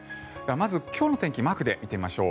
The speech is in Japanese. まず今日の天気をマークで見てみましょう。